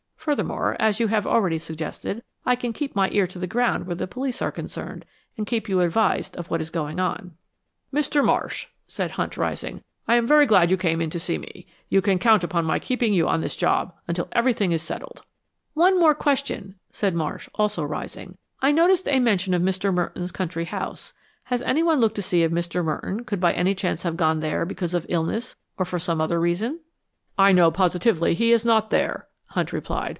Furthermore, as you have already suggested, I can keep my ear to the ground where the police are concerned, and keep you advised of what is going on." "Mr. Marsh," said Hunt, rising. "I am very glad you came in to see me. You can count upon my keeping you on this job until everything is settled." "One more question," said Marsh, also rising. "I noticed a mention of Mr. Merton's country house. Has anyone looked to see if Mr. Merton could by any chance have gone there because of illness, or for some other reason?" "I know positively he is not there," Hunt replied.